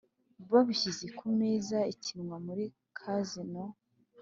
Babishyize ku meza ikinwa muri kazino